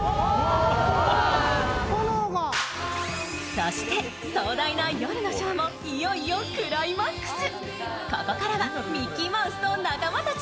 そして壮大な夜のショーもいよいよクライマックス。